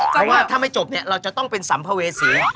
เพราะว่าถ้าไม่จบเนี่ยเราจะต้องเป็นสัมภเวษี